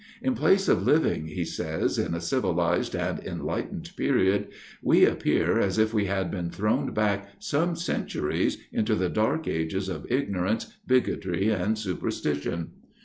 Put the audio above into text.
"In place of living," he says, "in a civilized and enlightened period, we appear as if we had been thrown back some centuries into the dark ages of ignorance, bigotry and superstition.